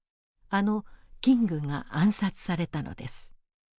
あのキングが暗殺されたのです。